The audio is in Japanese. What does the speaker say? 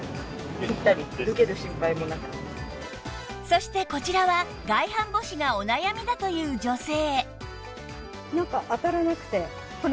そしてこちらは外反母趾がお悩みだという女性